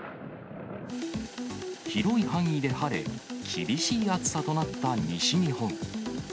広い範囲で晴れ、厳しい暑さとなった西日本。